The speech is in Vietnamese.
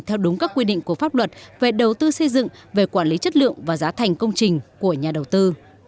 theo đúng các quy định của pháp luật về đầu tư xây dựng về quản lý chất lượng và giá thành công trình của nhà đầu tư